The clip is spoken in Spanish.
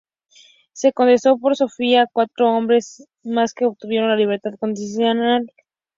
Se condenó por sodomía a cuatro hombres más que obtuvieron la libertad condicional.